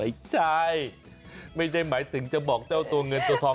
หายใจไม่ได้หมายถึงจะบอกเจ้าตัวเงินตัวทอง